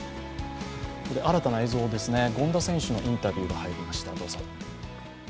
新たな映像ですね、権田選手のインタビューが入りました。